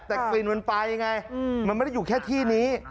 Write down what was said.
แต่กลิ่นมันไปไงมันไม่ได้อยู่แค่ที่นี้